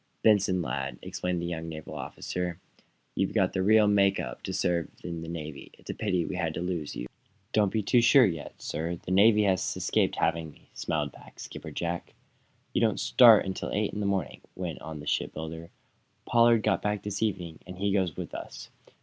"Benson, lad," exclaimed the naval officer, "you've got the real make up to serve in the Navy. It's a pity we had to lose you." "Don't be too sure yet, sir, that the Navy has escaped having me," smiled back Skipper Jack. "You don't start until eight in the morning," went on the shipbuilder. "Pollard got back this evening, and he goes with us.